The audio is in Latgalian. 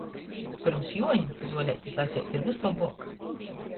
Pyrms Juoņu zuoleitis laseit ir vyslobuok.